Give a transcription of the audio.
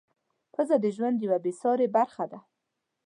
ښځه د ژوند یوه بې سارې برخه ده.